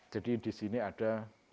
jadi disini ada